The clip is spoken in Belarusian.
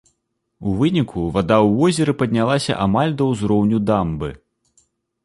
У выніку вада ў возеры паднялася амаль да ўзроўню дамбы.